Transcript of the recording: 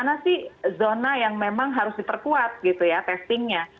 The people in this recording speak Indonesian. tapi zona yang memang harus diperkuat gitu ya testingnya